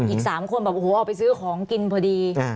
อีก๓คนเอาไปซื้อของกินพอดี